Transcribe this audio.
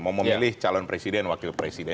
mau memilih calon presiden wakil presiden